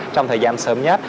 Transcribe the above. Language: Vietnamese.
trong thời gian sớm nhất